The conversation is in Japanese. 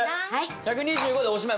１２５でおしまい。